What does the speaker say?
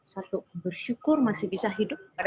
satu bersyukur masih bisa hidup